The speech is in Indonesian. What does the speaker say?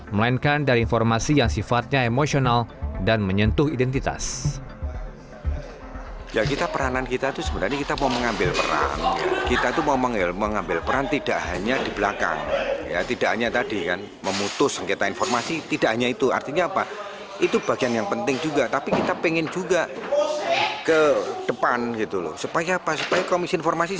melainkan dari informasi yang sifatnya emosional dan menyentuh identitas